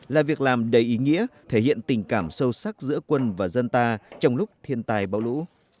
là việc làm đầy ý nghĩa thể hiện tình cảm sâu sắc giữa quân và dân ta trong lúc thiên tài bão lũ